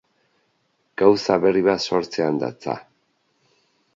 Gauza berri bat sortzean datza.